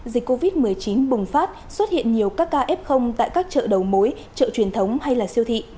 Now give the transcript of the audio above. dịch covid một mươi chín bùng phát xuất hiện nhiều các ca f tại các chợ đầu mối chợ truyền thống hay siêu thị